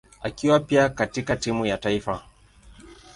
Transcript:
akiwa pia katika timu ya taifa.